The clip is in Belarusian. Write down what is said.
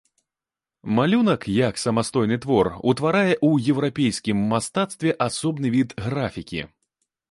Малюнак, як самастойны твор, утварае ў еўрапейскім мастацтве асобны від графікі.